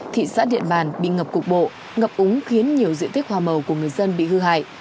thị xã điện bàn bị ngập cục bộ ngập úng khiến nhiều diện tích hoa màu của người dân bị hư hại